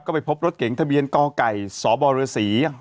ก็ไปพบรถเก๋งทะเบียนกไก่สบฤษี